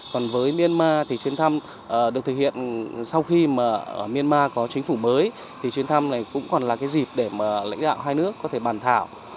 còn với myanmar thì chuyến thăm được thực hiện sau khi mà myanmar có chính phủ mới thì chuyến thăm này cũng còn là cái dịp để mà lãnh đạo hai nước có thể bàn thảo